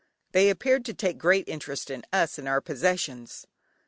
They appeared to take a great interest in us and our possessions.